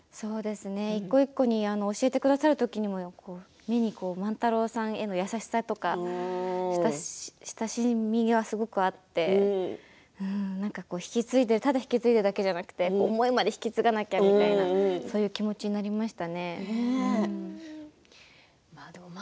一個一個教えてくださる時にも目に万太郎さんの優しさとか親しみがすごくあって引き継いでいっていただければなって思いまで引き継がなくてはいけないんだという気持ちになりました。